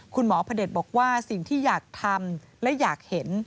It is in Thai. คุณหมอภาเดชบอกว่าสิ่งที่อยากทำและอยากเห็น